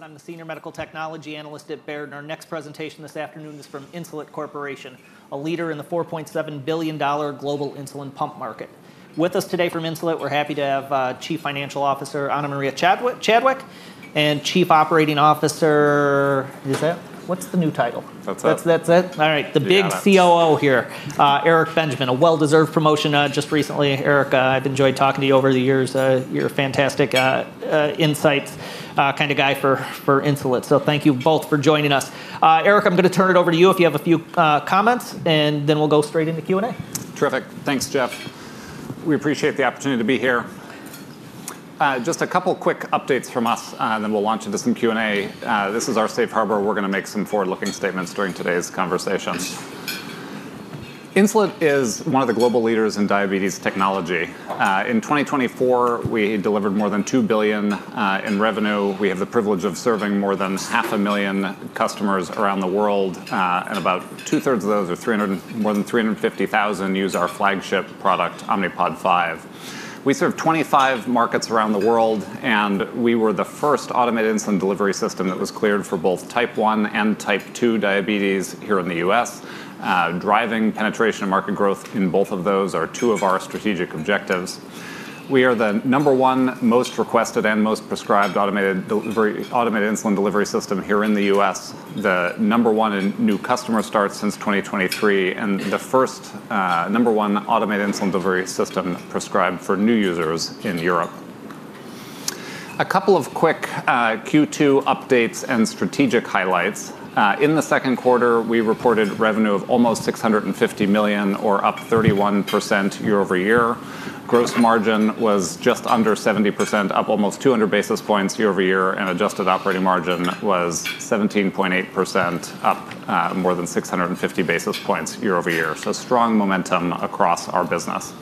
I'm the Senior Medical Technology Analyst at Baird, and our next presentation this afternoon is from Insulet Corporation, a leader in the $4.7 billion global insulin pump market. With us today from Insulet, we're happy to have Chief Financial Officer Ana Maria Chadwick and Chief Operating Officer... is that... what's the new title? That's it. That's it? All right. The big COO here, Eric Benjamin, a well-deserved promotion just recently. Eric, I've enjoyed talking to you over the years. You're a fantastic insights kind of guy for Insulet. Thank you both for joining us. Eric, I'm going to turn it over to you if you have a few comments, and then we'll go straight into Q&A. Terrific. Thanks, Jeff. We appreciate the opportunity to be here. Just a couple of quick updates from us, and then we'll launch into some Q&A. This is our safe harbor. We're going to make some forward-looking statements during today's conversations. Insulet is one of the global leaders in diabetes technology. In 2024, we delivered more than $2 billion in revenue. We have the privilege of serving more than half a million customers around the world, and about two-thirds of those, more than 350,000, use our flagship product, Omnipod 5. We serve 25 markets around the world, and we were the first automated insulin delivery system that was cleared for both Type 1 and Type 2 diabetes here in the U.S. Driving penetration and market growth in both of those are two of our strategic objectives. We are the number one most requested and most prescribed automated insulin delivery system here in the U.S., the number one in new customer starts since 2023, and the first number one automated insulin delivery system prescribed for new users in European markets. A couple of quick Q2 updates and strategic highlights. In the second quarter, we reported revenue of almost $650 million, or up 31% year over year. Gross margin was just under 70%, up almost 200 basis points year over year, and adjusted operating margin was 17.8%, up more than 650 basis points year over year. Strong momentum across our business.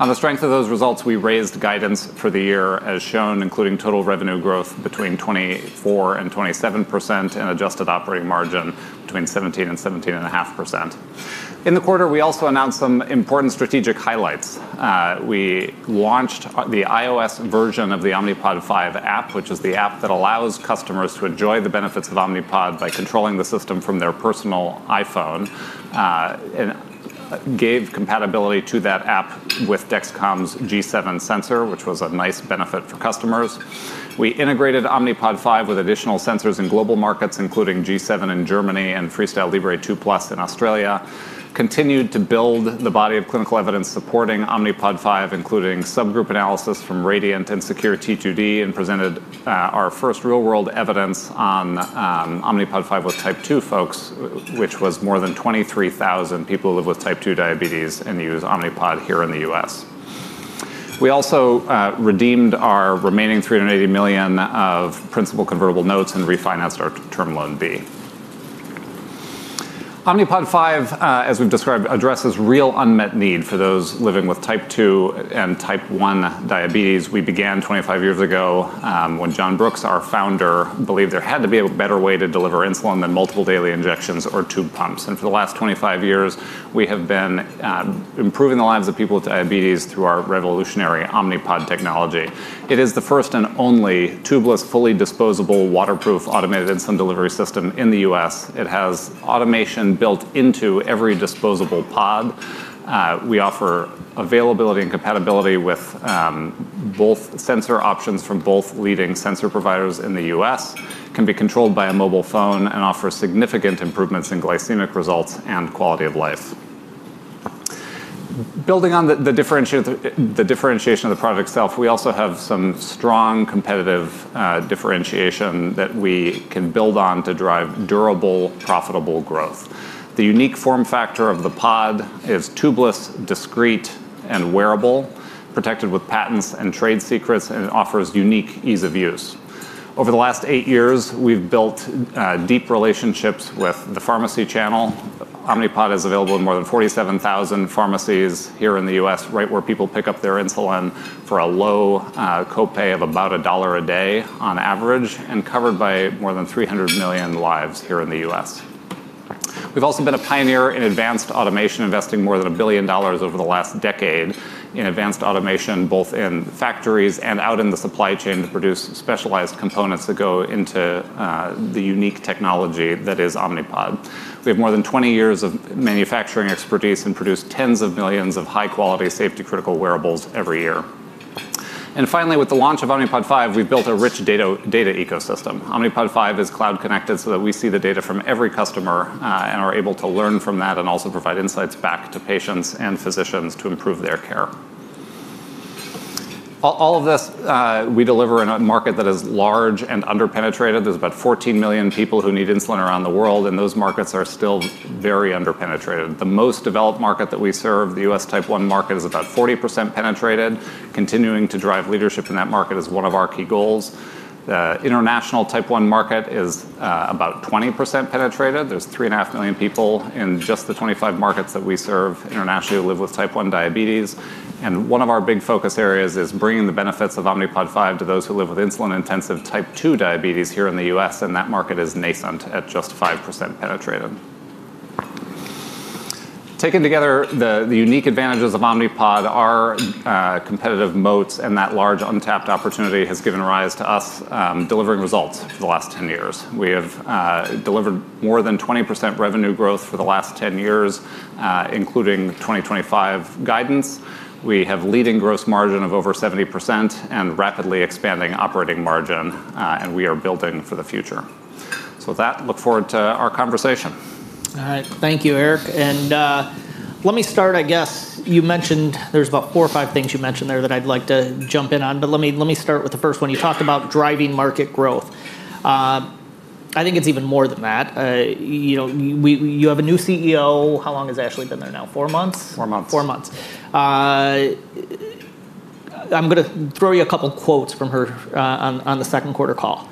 On the strength of those results, we raised guidance for the year, as shown, including total revenue growth between 24% and 27% and adjusted operating margin between 17% and 17.5%. In the quarter, we also announced some important strategic highlights. We launched the iOS version of the Omnipod 5 App for iPhone, which is the app that allows customers to enjoy the benefits of Omnipod by controlling the system from their personal iPhone, and gave compatibility to that app with Dexcom G7 sensor, which was a nice benefit for customers. We integrated Omnipod 5 with additional sensors in global markets, including Dexcom G7 in Germany and FreeStyle Libre 2+ in Australia. Continued to build the body of clinical evidence supporting Omnipod 5, including subgroup analysis from Radiant and Secure T2D, and presented our first real-world evidence on Omnipod 5 with Type 2 folks, which was more than 23,000 people who live with Type 2 diabetes and use Omnipod here in the U.S. We also redeemed our remaining $380 million of principal convertible notes and refinanced our Term Loan B. Omnipod 5, as we've described, addresses real unmet need for those living with Type 2 and Type 1 diabetes. We began 25 years ago when John Brooks, our founder, believed there had to be a better way to deliver insulin than multiple daily injections or tube pumps. For the last 25 years, we have been improving the lives of people with diabetes through our revolutionary Omnipod technology. It is the first and only tubeless, fully disposable, waterproof automated insulin delivery system in the U.S. It has automation built into every disposable pod. We offer availability and compatibility with both sensor options from both leading sensor providers in the U.S. It can be controlled by a mobile phone and offers significant improvements in glycemic results and quality of life. Building on the differentiation of the product itself, we also have some strong competitive differentiation that we can build on to drive durable, profitable growth. The unique form factor of the pod is tubeless, discrete, and wearable, protected with patents and trade secrets, and it offers unique ease of use. Over the last eight years, we've built deep relationships with the pharmacy channel. Omnipod is available in more than 47,000 pharmacies here in the U.S., right where people pick up their insulin for a low copay of about $1.00 a day on average, and covered by more than 300 million lives here in the U.S. We've also been a pioneer in advanced automation, investing more than $1 billion over the last decade in advanced automation, both in factories and out in the supply chain to produce specialized components that go into the unique technology that is Omnipod. We have more than 20 years of manufacturing expertise and produce tens of millions of high-quality, safety-critical wearables every year. Finally, with the launch of Omnipod 5, we've built a rich data ecosystem. Omnipod 5 is cloud-connected so that we see the data from every customer and are able to learn from that and also provide insights back to patients and physicians to improve their care. All of this, we deliver in a market that is large and underpenetrated. There's about 14 million people who need insulin around the world, and those markets are still very underpenetrated. The most developed market that we serve, the U.S. Type 1 market, is about 40% penetrated. Continuing to drive leadership in that market is one of our key goals. The international Type 1 market is about 20% penetrated. There's 3.5 million people in just the 25 markets that we serve internationally who live with Type 1 diabetes. One of our big focus areas is bringing the benefits of Omnipod 5 to those who live with insulin-intensive Type 2 diabetes here in the U.S., and that market is nascent at just 5% penetrated. Taken together, the unique advantages of Omnipod are competitive moats, and that large untapped opportunity has given rise to us delivering results for the last 10 years. We have delivered more than 20% revenue growth for the last 10 years, including 2025 guidance. We have a leading gross margin of over 70% and rapidly expanding operating margin, and we are building for the future. I look forward to our conversation. All right. Thank you, Eric. Let me start, I guess. You mentioned there's about four or five things you mentioned there that I'd like to jump in on, but let me start with the first one. You talked about driving market growth. I think it's even more than that. You have a new CEO. How long has Ashley been there now? Four months? Four months. Four months. I'm going to throw you a couple of quotes from her on the second quarter call.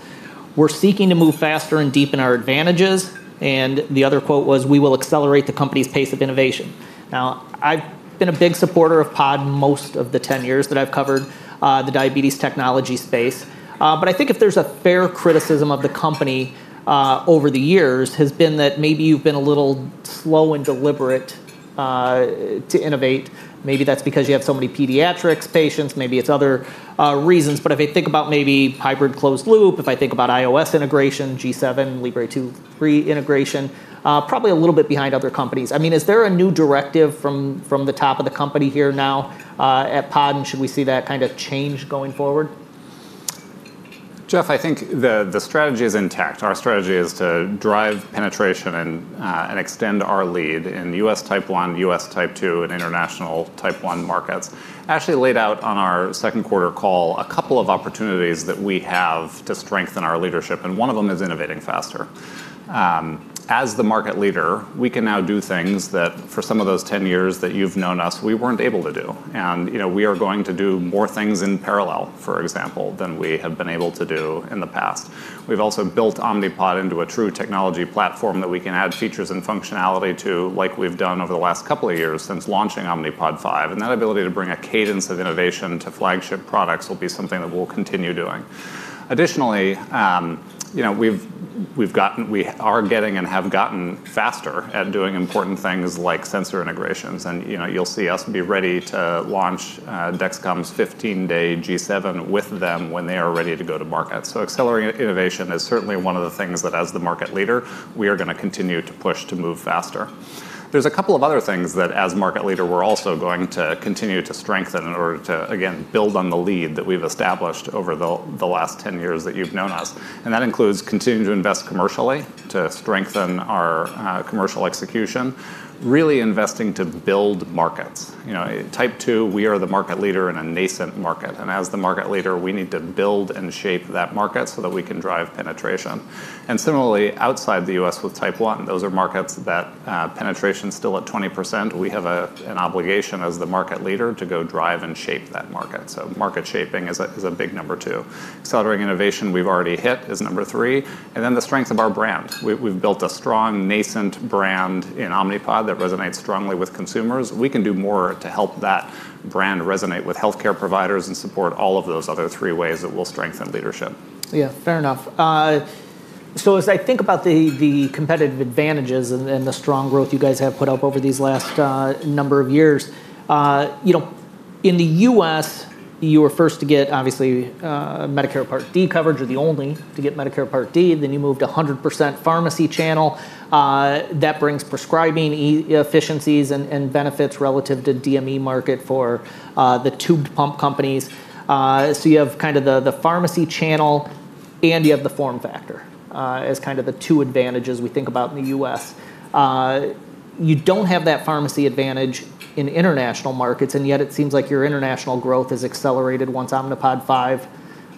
"We're seeking to move faster and deepen our advantages." The other quote was, "We will accelerate the company's pace of innovation." I've been a big supporter of Pod most of the 10 years that I've covered the diabetes technology space. I think if there's a fair criticism of the company over the years, it has been that maybe you've been a little slow and deliberate to innovate. Maybe that's because you have so many pediatrics patients. Maybe it's other reasons. If I think about maybe hybrid closed-loop, if I think about iOS integration, G7, FreeStyle Libre 2/3 integration, probably a little bit behind other companies. Is there a new directive from the top of the company here now at Pod? Should we see that kind of change going forward? I think the strategy is intact. Our strategy is to drive penetration and extend our lead in U.S. Type 1, U.S. Type 2, and international Type 1 markets. Ashley laid out on our second quarter call a couple of opportunities that we have to strengthen our leadership, and one of them is innovating faster. As the market leader, we can now do things that for some of those 10 years that you've known us, we weren't able to do. We are going to do more things in parallel, for example, than we have been able to do in the past. We've also built Omnipod into a true technology platform that we can add features and functionality to, like we've done over the last couple of years since launching Omnipod 5. That ability to bring a cadence of innovation to flagship products will be something that we'll continue doing. Additionally, we've gotten, we are getting and have gotten faster at doing important things like sensor integrations. You'll see us be ready to launch Dexcom's 15-day G7 with them when they are ready to go to market. Accelerating innovation is certainly one of the things that as the market leader, we are going to continue to push to move faster. There are a couple of other things that as market leader, we're also going to continue to strengthen in order to, again, build on the lead that we've established over the last 10 years that you've known us. That includes continuing to invest commercially to strengthen our commercial execution, really investing to build markets. Type 2, we are the market leader in a nascent market. As the market leader, we need to build and shape that market so that we can drive penetration. Similarly, outside the U.S. with Type 1, those are markets that penetration is still at 20%. We have an obligation as the market leader to go drive and shape that market. Market shaping is a big number two. Accelerating innovation we've already hit is number three. The strength of our brand, we've built a strong nascent brand in Omnipod that resonates strongly with consumers. We can do more to help that brand resonate with healthcare providers and support all of those other three ways that we'll strengthen leadership. Yeah, fair enough. As I think about the competitive advantages and the strong growth you guys have put up over these last number of years, in the U.S., you were first to get, obviously, Medicare Part D coverage or the only to get Medicare Part D. Then you moved to 100% pharmacy channel. That brings prescribing efficiencies and benefits relative to the DME market for the tube pump companies. You have the pharmacy channel and you have the form factor as the two advantages we think about in the U.S. You don't have that pharmacy advantage in international markets, and yet it seems like your international growth has accelerated once Omnipod 5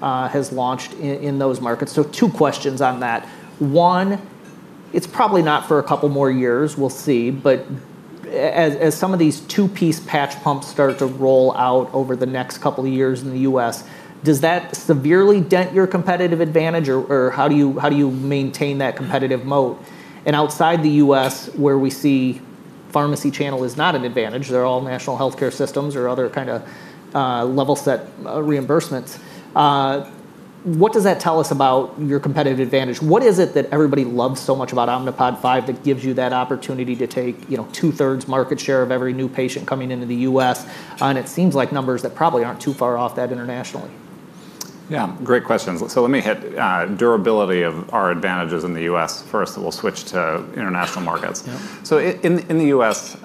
has launched in those markets. Two questions on that. One, it's probably not for a couple more years. We'll see. As some of these two-piece patch pumps start to roll out over the next couple of years in the U.S., does that severely dent your competitive advantage, or how do you maintain that competitive moat? Outside the U.S., where we see pharmacy channel is not an advantage, they're all national healthcare systems or other kind of level set reimbursements. What does that tell us about your competitive advantage? What is it that everybody loves so much about Omnipod 5 that gives you that opportunity to take two-thirds market share of every new patient coming into the U.S.? It seems like numbers that probably aren't too far off that internationally. Yeah, great questions. Let me hit durability of our advantages in the U.S. first, and we'll switch to international markets. In the U.S.,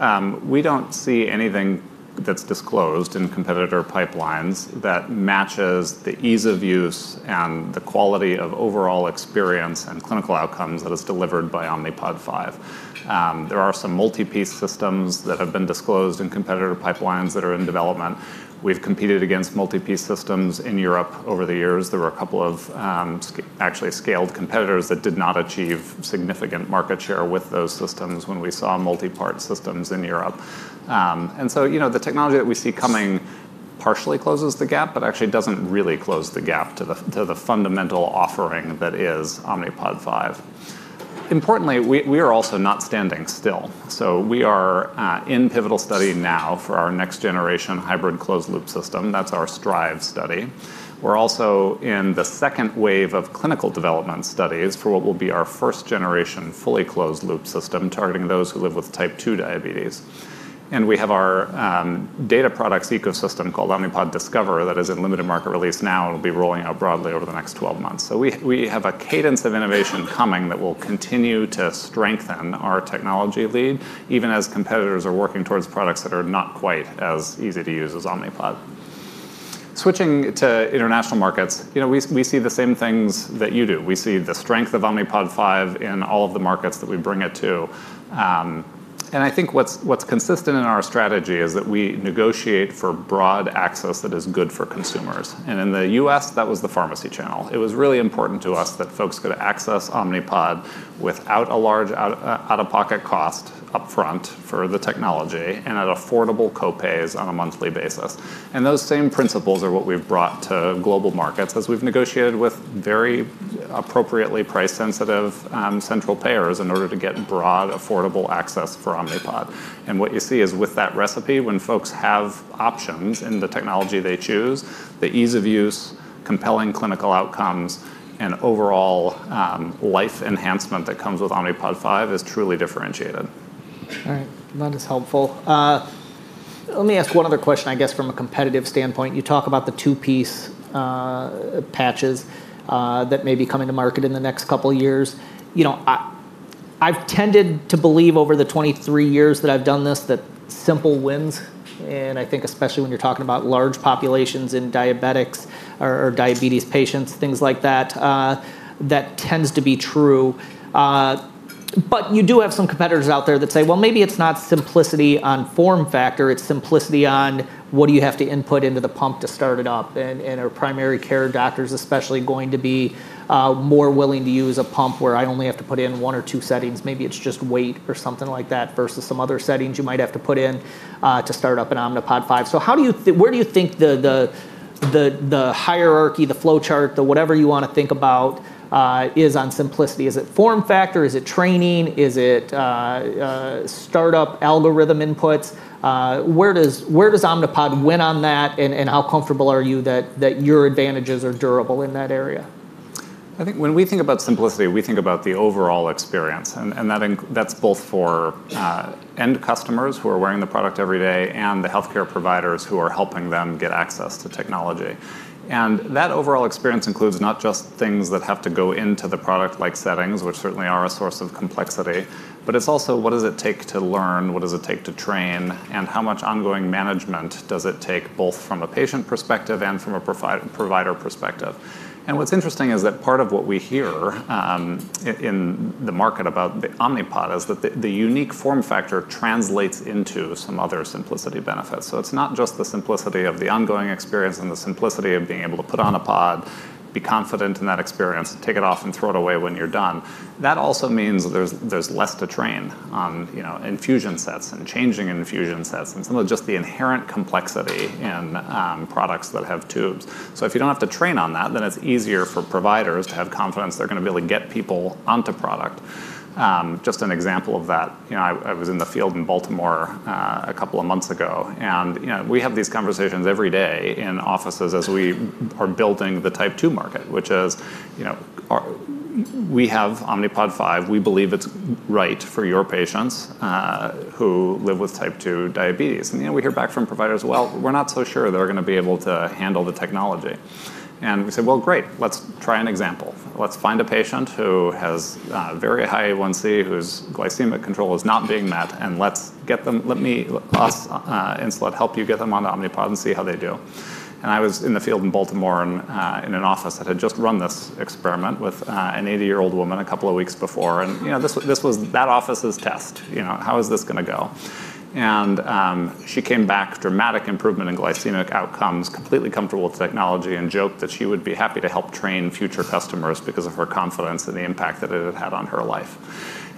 we don't see anything that's disclosed in competitor pipelines that matches the ease of use and the quality of overall experience and clinical outcomes that is delivered by Omnipod 5. There are some multi-piece systems that have been disclosed in competitor pipelines that are in development. We've competed against multi-piece systems in European markets over the years. There were a couple of actually scaled competitors that did not achieve significant market share with those systems when we saw multi-part systems in European markets. The technology that we see coming partially closes the gap, but actually doesn't really close the gap to the fundamental offering that is Omnipod 5. Importantly, we are also not standing still. We are in pivotal study now for our next-generation hybrid closed-loop system. That's our STRIVE study. We're also in the second wave of clinical development studies for what will be our first-generation fully closed-loop system targeting those who live with Type 2 diabetes. We have our data products ecosystem called Omnipod Discover that is in limited market release now and will be rolling out broadly over the next 12 months. We have a cadence of innovation coming that will continue to strengthen our technology lead, even as competitors are working towards products that are not quite as easy to use as Omnipod. Switching to international markets, we see the same things that you do. We see the strength of Omnipod 5 in all of the markets that we bring it to. I think what's consistent in our strategy is that we negotiate for broad access that is good for consumers. In the U.S., that was the pharmacy channel. It was really important to us that folks could access Omnipod without a large out-of-pocket cost upfront for the technology and at affordable copays on a monthly basis. Those same principles are what we've brought to global markets as we've negotiated with very appropriately price-sensitive central payers in order to get broad, affordable access for Omnipod. What you see is with that recipe, when folks have options in the technology they choose, the ease of use, compelling clinical outcomes, and overall life enhancement that comes with Omnipod 5 is truly differentiated. All right. That is helpful. Let me ask one other question, I guess, from a competitive standpoint. You talk about the two-piece patches that may be coming to market in the next couple of years. I've tended to believe over the 23 years that I've done this that simple wins, and I think especially when you're talking about large populations in diabetics or diabetes patients, things like that, that tends to be true. You do have some competitors out there that say, maybe it's not simplicity on form factor. It's simplicity on what do you have to input into the pump to start it up. Are primary care doctors especially going to be more willing to use a pump where I only have to put in one or two settings? Maybe it's just weight or something like that versus some other settings you might have to put in to start up an Omnipod 5. Where do you think the hierarchy, the flowchart, the whatever you want to think about is on simplicity? Is it form factor? Is it training? Is it startup algorithm inputs? Where does Omnipod win on that? How comfortable are you that your advantages are durable in that area? I think when we think about simplicity, we think about the overall experience. That's both for end customers who are wearing the product every day and the healthcare providers who are helping them get access to technology. That overall experience includes not just things that have to go into the product like settings, which certainly are a source of complexity, but it's also what does it take to learn, what does it take to train, and how much ongoing management does it take both from a patient perspective and from a provider perspective. What's interesting is that part of what we hear in the market about Omnipod is that the unique form factor translates into some other simplicity benefits. It's not just the simplicity of the ongoing experience and the simplicity of being able to put on a pod, be confident in that experience, take it off, and throw it away when you're done. That also means there's less to train on infusion sets and changing infusion sets and some of just the inherent complexity in products that have tubes. If you don't have to train on that, then it's easier for providers to have confidence they're going to be able to get people onto product. Just an example of that, I was in the field in Baltimore a couple of months ago. We have these conversations every day in offices as we are building the Type 2 market, which is we have Omnipod 5. We believe it's right for your patients who live with Type 2 diabetes. We hear back from providers, we're not so sure they're going to be able to handle the technology. We said, great, let's try an example. Let's find a patient who has a very high A1C, whose glycemic control is not being met, and let's get them. Let us, Insulet, help you get them on the Omnipod and see how they do. I was in the field in Baltimore in an office that had just run this experiment with an 80-year-old woman a couple of weeks before. This was that office's test. How is this going to go? She came back with dramatic improvement in glycemic outcomes, completely comfortable with technology, and joked that she would be happy to help train future customers because of her confidence and the impact that it had had on her life.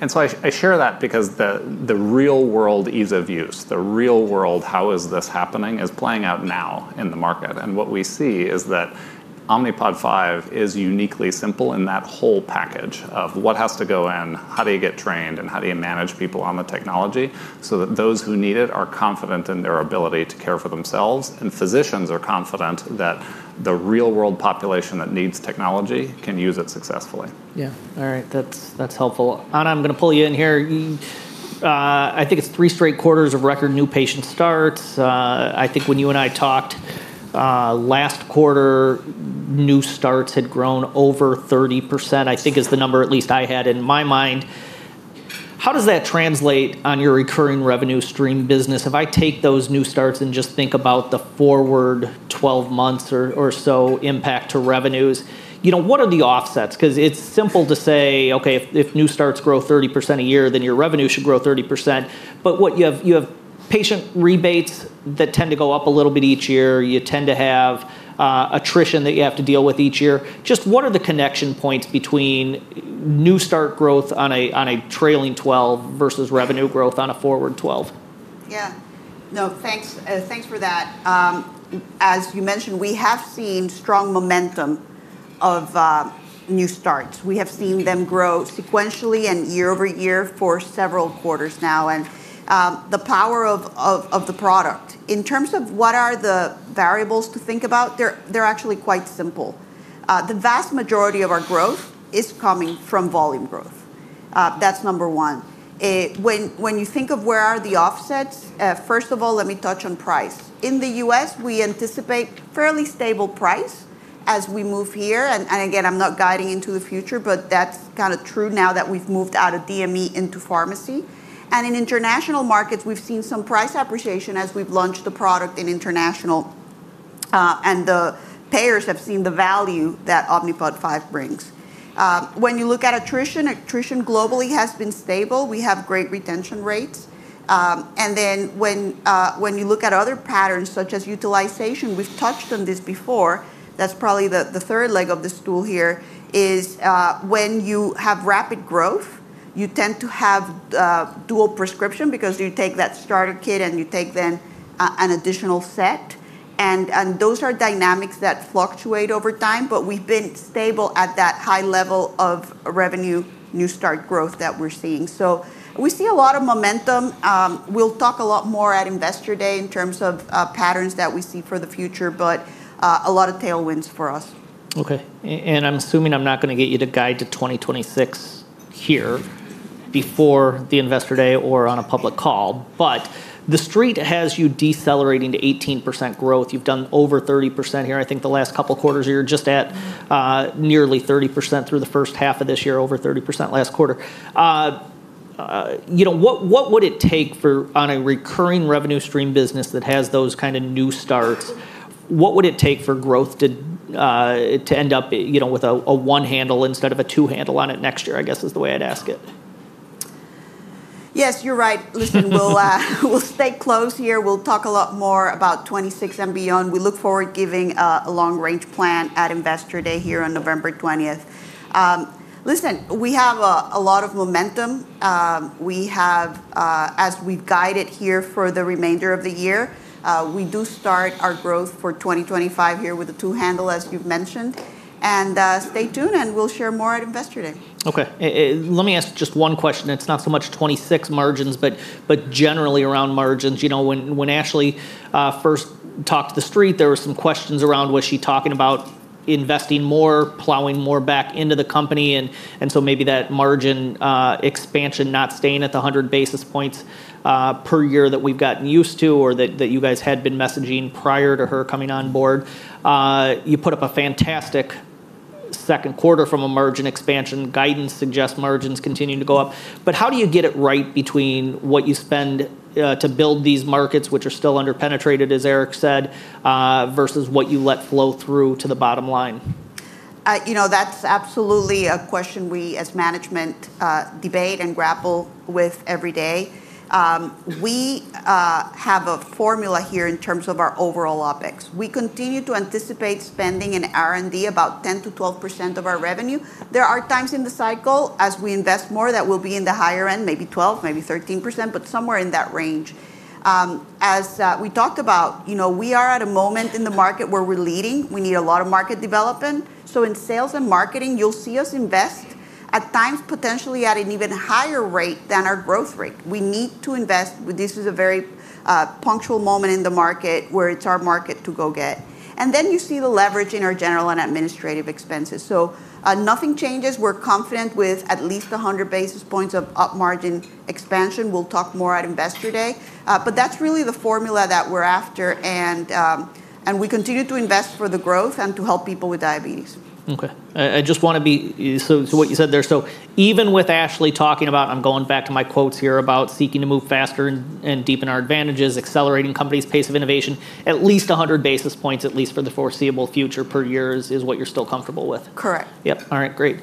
I share that because the real-world ease of use, the real-world how is this happening is playing out now in the market. What we see is that Omnipod 5 is uniquely simple in that whole package of what has to go in, how do you get trained, and how do you manage people on the technology so that those who need it are confident in their ability to care for themselves, and physicians are confident that the real-world population that needs technology can use it successfully. Yeah. All right. That's helpful. Ana, I'm going to pull you in here. I think it's three straight quarters of record new patient starts. I think when you and I talked last quarter, new starts had grown over 30%, I think is the number at least I had in my mind. How does that translate on your recurring revenue stream business? If I take those new starts and just think about the forward 12 months or so impact to revenues, what are the offsets? Because it's simple to say, OK, if new starts grow 30% a year, then your revenue should grow 30%. You have patient rebates that tend to go up a little bit each year. You tend to have attrition that you have to deal with each year. Just what are the connection points between new start growth on a trailing 12 versus revenue growth on a forward 12? Yeah. No, thanks for that. As you mentioned, we have seen strong momentum of new starts. We have seen them grow sequentially and year over year for several quarters now. The power of the product. In terms of what are the variables to think about, they're actually quite simple. The vast majority of our growth is coming from volume growth. That's number one. When you think of where are the offsets, first of all, let me touch on price. In the U.S., we anticipate a fairly stable price as we move here. I'm not guiding into the future, but that's kind of true now that we've moved out of DME into pharmacy. In international markets, we've seen some price appreciation as we've launched the product in international, and the payers have seen the value that Omnipod 5 brings. When you look at attrition, attrition globally has been stable. We have great retention rates. When you look at other patterns, such as utilization, we've touched on this before. That's probably the third leg of the stool here is when you have rapid growth, you tend to have dual prescription because you take that starter kit and you take then an additional set. Those are dynamics that fluctuate over time. We've been stable at that high level of revenue new start growth that we're seeing. We see a lot of momentum. We'll talk a lot more at Investor Day in terms of patterns that we see for the future, but a lot of tailwinds for us. OK. I'm assuming I'm not going to get you to guide to 2026 here before the Investor Day or on a public call. The street has you decelerating to 18% growth. You've done over 30% here. I think the last couple of quarters you're just at nearly 30% through the first half of this year, over 30% last quarter. What would it take for on a recurring revenue stream business that has those kind of new starts? What would it take for growth to end up with a one-handle instead of a two-handle on it next year, I guess is the way I'd ask it? Yes, you're right. We'll stay close here. We'll talk a lot more about 2026 and beyond. We look forward to giving a long-range plan at Investor Day here on November 20. We have a lot of momentum. As we've guided here for the remainder of the year, we do start our growth for 2025 here with a two-handle, as you've mentioned. Stay tuned, and we'll share more at Investor Day. OK. Let me ask just one question. It's not so much '26 margins, but generally around margins. When Ashley first talked to the street, there were some questions around, was she talking about investing more, plowing more back into the company? Maybe that margin expansion not staying at the 100 basis points per year that we've gotten used to or that you guys had been messaging prior to her coming on board. You put up a fantastic second quarter from a margin expansion. Guidance suggests margins continue to go up. How do you get it right between what you spend to build these markets, which are still underpenetrated, as Eric said, versus what you let flow through to the bottom line? That's absolutely a question we as management debate and grapple with every day. We have a formula here in terms of our overall OpEx. We continue to anticipate spending in R&D about 10% to 12% of our revenue. There are times in the cycle as we invest more that we'll be in the higher end, maybe 12%, maybe 13%, but somewhere in that range. As we talked about, we are at a moment in the market where we're leading. We need a lot of market development. In sales and marketing, you'll see us invest at times potentially at an even higher rate than our growth rate. We need to invest. This is a very punctual moment in the market where it's our market to go get. You see the leverage in our general and administrative expenses. Nothing changes. We're confident with at least 100 basis points of margin expansion. We'll talk more at Investor Day. That's really the formula that we're after. We continue to invest for the growth and to help people with diabetes. OK. I just want to be clear what you said there. Even with Ashley talking about, I'm going back to my quotes here, about seeking to move faster and deepen our advantages, accelerating the company's pace of innovation, at least 100 basis points at least for the foreseeable future per year is what you're still comfortable with? Correct. All right. Great.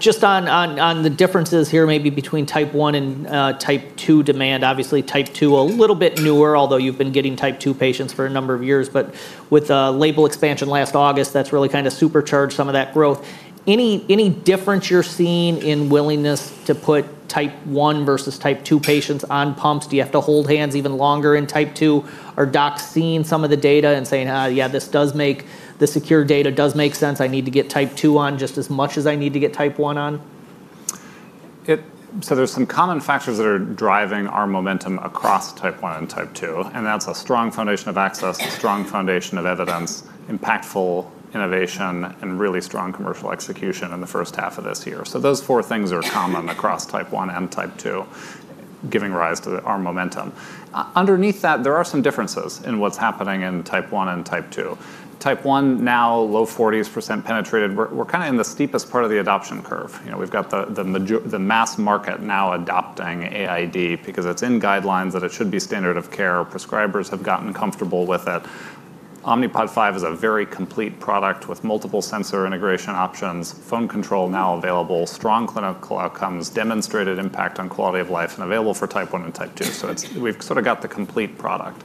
Just on the differences here maybe between Type 1 and Type 2 demand. Obviously, Type 2 a little bit newer, although you've been getting Type 2 patients for a number of years. With label expansion last August, that's really kind of supercharged some of that growth. Any difference you're seeing in willingness to put Type 1 versus Type 2 patients on pumps? Do you have to hold hands even longer in Type 2? Are docs seeing some of the data and saying, yeah, this does make the secure data does make sense. I need to get Type 2 on just as much as I need to get Type 1 on? There are some common factors that are driving our momentum across Type 1 and Type 2. That is a strong foundation of access, a strong foundation of evidence, impactful innovation, and really strong commercial execution in the first half of this year. Those four things are common across Type 1 and Type 2, giving rise to our momentum. Underneath that, there are some differences in what is happening in Type 1 and Type 2. Type 1 is now low 40s % penetrated. We are kind of in the steepest part of the adoption curve. We have the mass market now adopting automated insulin delivery because it is in guidelines that it should be standard of care. Prescribers have gotten comfortable with it. Omnipod 5 is a very complete product with multiple sensor integration options, phone control now available, strong clinical outcomes, demonstrated impact on quality of life, and available for Type 1 and Type 2. We have sort of got the complete product.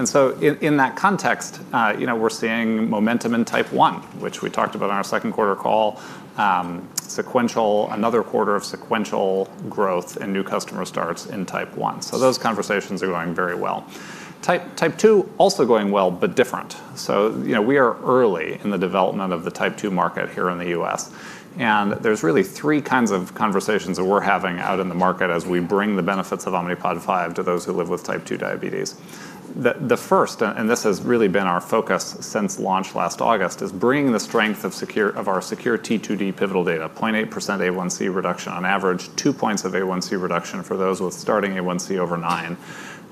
In that context, we are seeing momentum in Type 1, which we talked about on our second quarter call, another quarter of sequential growth in new customer starts in Type 1. Those conversations are going very well. Type 2 is also going well, but different. We are early in the development of the Type 2 market here in the U.S. There are really three kinds of conversations that we are having out in the market as we bring the benefits of Omnipod 5 to those who live with Type 2 diabetes. The first, and this has really been our focus since launch last August, is bringing the strength of our Secure T2D pivotal data, 0.8% A1C reduction on average, 2 points of A1C reduction for those with starting A1C over 9,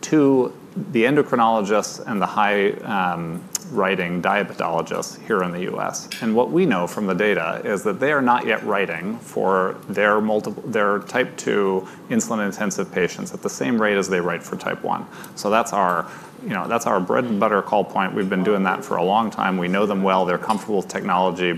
to the endocrinologists and the high-riding diabetologists here in the U.S. What we know from the data is that they are not yet writing for their Type 2 insulin-intensive patients at the same rate as they write for Type 1. That is our bread and butter call point. We have been doing that for a long time. We know them well. They are comfortable with technology.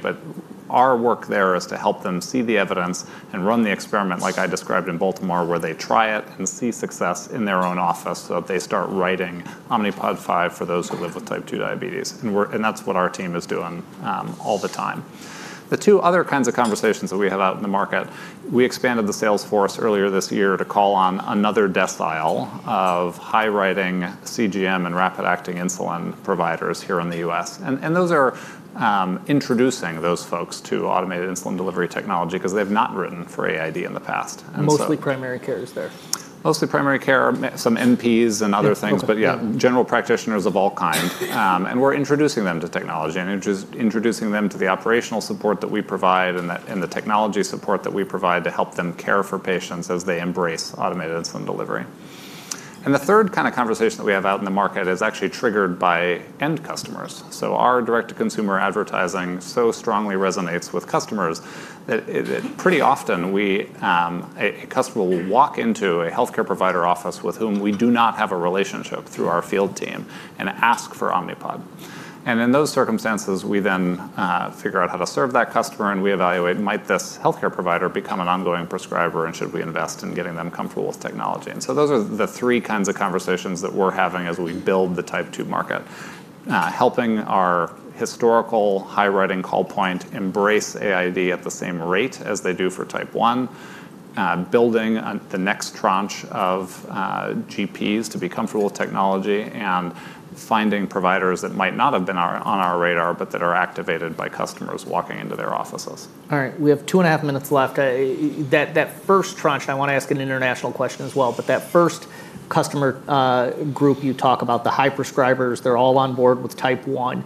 Our work there is to help them see the evidence and run the experiment like I described in Baltimore, where they try it and see success in their own office so that they start writing Omnipod 5 for those who live with Type 2 diabetes. That is what our team is doing all the time. The two other kinds of conversations that we have out in the market, we expanded the sales force earlier this year to call on another decile of high-riding CGM and rapid-acting insulin providers here in the U.S. Those are introducing those folks to automated insulin delivery technology because they have not written for automated insulin delivery in the past. Mostly primary care is there. Mostly primary care, some NPs and other things, but yeah, general practitioners of all kind. We are introducing them to technology and introducing them to the operational support that we provide and the technology support that we provide to help them care for patients as they embrace automated insulin delivery. The third kind of conversation that we have out in the market is actually triggered by end customers. Our direct-to-consumer advertising so strongly resonates with customers that pretty often a customer will walk into a healthcare provider office with whom we do not have a relationship through our field team and ask for Omnipod. In those circumstances, we then figure out how to serve that customer, and we evaluate, might this healthcare provider become an ongoing prescriber, and should we invest in getting them comfortable with technology? Those are the three kinds of conversations that we're having as we build the Type 2 market, helping our historical high-riding call point embrace AID at the same rate as they do for Type 1, building the next tranche of GPs to be comfortable with technology and finding providers that might not have been on our radar but that are activated by customers walking into their offices. All right. We have 2.5 minutes left. That first tranche, I want to ask an international question as well, but that first customer group you talk about, the high prescribers, they're all on board with Type 1.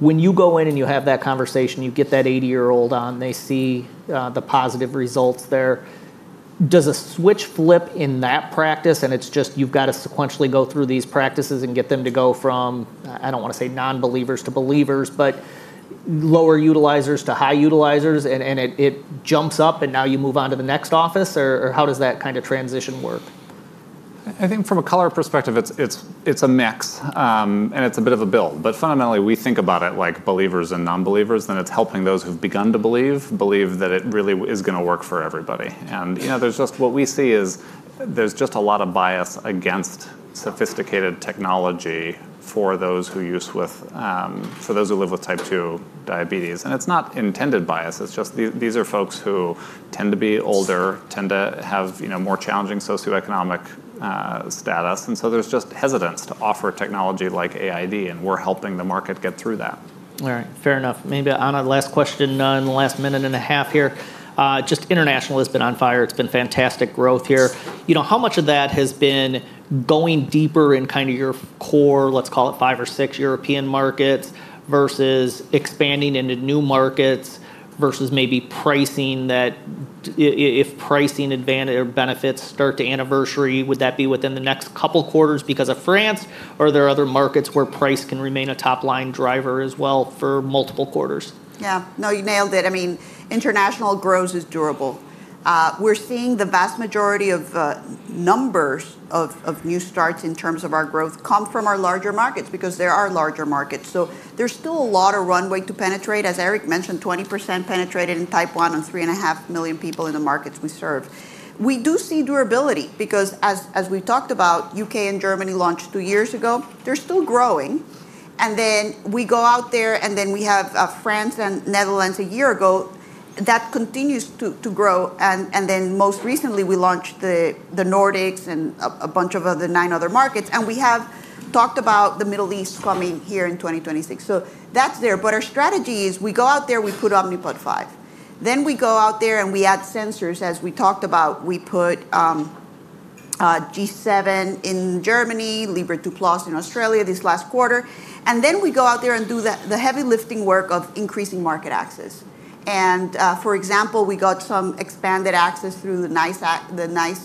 When you go in and you have that conversation, you get that 80-year-old on, they see the positive results there. Does a switch flip in that practice? It's just you've got to sequentially go through these practices and get them to go from, I don't want to say non-believers to believers, but lower utilizers to high utilizers, and it jumps up, and now you move on to the next office, or how does that kind of transition work? I think from a color perspective, it's a mix, and it's a bit of a build. Fundamentally, we think about it like believers and non-believers, and it's helping those who've begun to believe believe that it really is going to work for everybody. What we see is there's just a lot of bias against sophisticated technology for those who use with Type 2 diabetes. It's not intended bias. These are folks who tend to be older, tend to have more challenging socioeconomic status, and so there's just hesitance to offer technology like automated insulin delivery, and we're helping the market get through that. All right. Fair enough. Maybe Ana, last question in the last minute and a half here. Just international has been on fire. It's been fantastic growth here. How much of that has been going deeper in kind of your core, let's call it five or six European markets versus expanding into new markets versus maybe pricing that if pricing benefits start to anniversary, would that be within the next couple of quarters because of France? Are there other markets where price can remain a top-line driver as well for multiple quarters? Yeah. No, you nailed it. I mean, international growth is durable. We're seeing the vast majority of numbers of new starts in terms of our growth come from our larger markets because there are larger markets. There's still a lot of runway to penetrate. As Eric mentioned, 20% penetrated in Type 1 on 3.5 million people in the markets we serve. We do see durability because as we've talked about, UK and Germany launched two years ago. They're still growing. We go out there, and then we have France and Netherlands a year ago. That continues to grow. Most recently, we launched the Nordics and a bunch of the nine other markets. We have talked about the Middle East coming here in 2026. That's there. Our strategy is we go out there, we put Omnipod 5. We go out there and we add sensors. As we talked about, we put G7 in Germany, Libre 2+ in Australia this last quarter. We go out there and do the heavy lifting work of increasing market access. For example, we got some expanded access through the NICE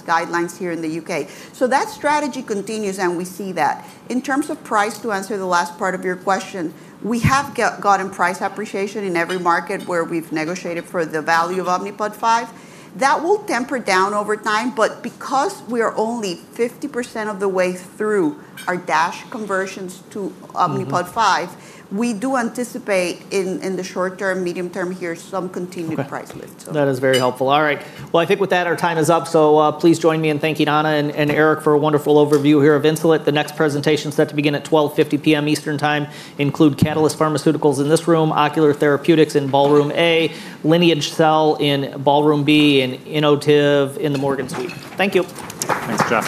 guidelines here in the UK. That strategy continues, and we see that. In terms of price, to answer the last part of your question, we have gotten price appreciation in every market where we've negotiated for the value of Omnipod 5. That will temper down over time. Because we are only 50% of the way through our DASH conversions to Omnipod 5, we do anticipate in the short term, medium term here some continued price lift. That is very helpful. All right. I think with that, our time is up. Please join me in thanking Ana and Eric for a wonderful overview here of Insulet. The next presentation is set to begin at 12:50 P.M. Eastern Time. Include Catalyst Pharmaceuticals in this room, Ocular Therapeutics in Ballroom A, Lineage Cell in Ballroom B, and Innotiv in the Morgan Suite. Thank you. Thanks, Jeff.